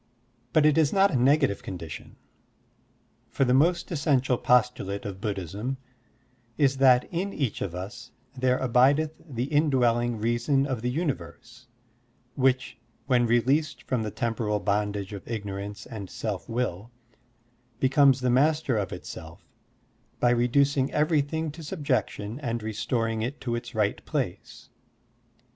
But it is not a negative condition, for the most essen tial postulate of Buddhism is that in each of us there abideth the indwelling reason of the universe, which, when released from the tem poral bondage of ignorance and self will, becomes the master of itself by reducing everything to subjection and restoring it to its right place.